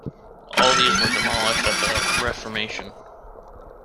All these were demolished at the Reformation.